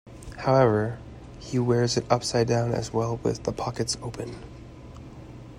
However, he wears it upside-down as well with the pockets open.